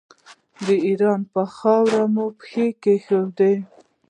د ایران پر خاوره مو پښې کېښودې.